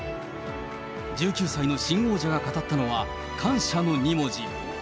１９歳の新王者が語ったのは、感謝の二文字。